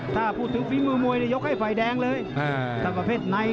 ถ้าพูดถึงฝีมือมวยยกให้ฝ่ายแดงเลยถ้าประเภทใน